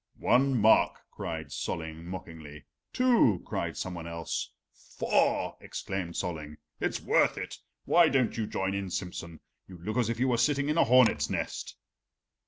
"One mark," cried Solling mockingly. "Two," cried somebody else. "Four," exclaimed Solling. "It's worth it. Why don't you join in, Simsen? You look as if you were sitting in a hornet's nest."